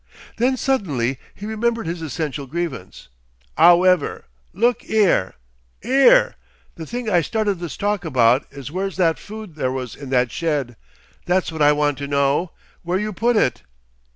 Then suddenly he remembered his essential grievance. "'Owever, look 'ere 'ere! the thing I started this talk about is where's that food there was in that shed? That's what I want to know. Where you put it?"